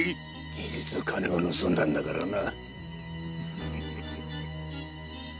事実金を盗んだんだからな。